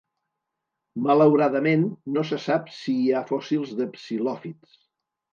Malauradament, no se sap si hi ha fòssils de psilòfits.